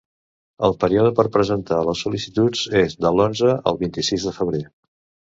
El període per presentar les sol·licituds és de l'onze al vint-i-sis de febrer.